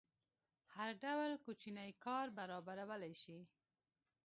هر ډول کوچنی کار برابرولی شي.